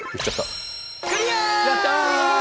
やった！